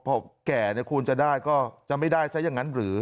พอแก่ควรจะได้ก็จะไม่ได้ซะอย่างนั้นหรือ